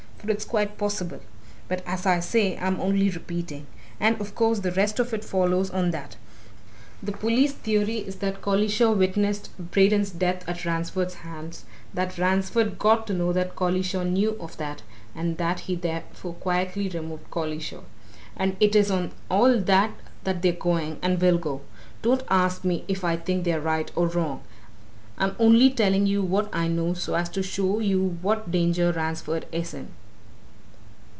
"For it's quite possible. But as I say, I'm only repeating. And of course, the rest of it follows on that. The police theory is that Collishaw witnessed Braden's death at Ransford's hands, that Ransford got to know that Collishaw knew of that, and that he therefore quietly removed Collishaw. And it is on all that that they're going, and will go. Don't ask me if I think they're right or wrong! I'm only telling you what I know so as to show you what danger Ransford is in."